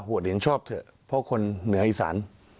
ที่ไม่มีนิวบายในการแก้ไขมาตรา๑๑๒